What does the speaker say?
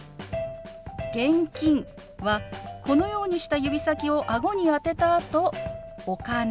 「現金」はこのようにした指先をあごに当てたあと「お金」。